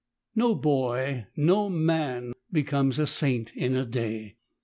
No boy, no man becomes a saint in a day.